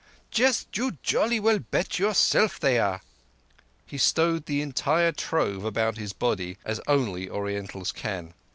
"Just you jolly well bet yourself they are." He stowed the entire trove about his body, as only Orientals can.